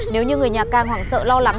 nếu như người nhà càng hoảng sợ lo lắng